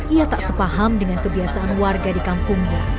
ia tak sepaham dengan kebiasaan warga di kampungnya